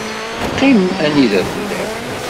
Qqim anida telliḍ!